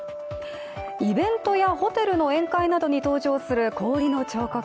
イベントやホテルの宴会などに登場する氷の彫刻。